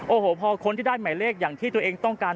โอ้โหพอคนที่ได้หมายเลขอย่างที่ตัวเองต้องการ